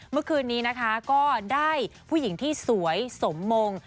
เมื่อคืนนี้นะคะก็ได้ผู้หญิงที่สวยสมมง